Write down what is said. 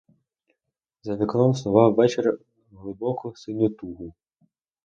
За вікном снував вечір глибоку синю тугу.